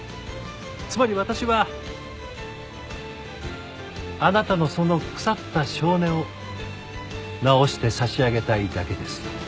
つまり私はあなたのその腐った性根を直して差し上げたいだけです。